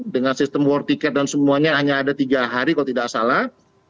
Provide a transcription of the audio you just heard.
dengan sistem war ticket dan semuanya hanya ada tiga hari kalau tidak salah